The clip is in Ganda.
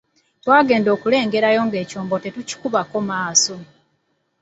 Twagenda okulengerayo ng'ekyombo tetukikubako maaso.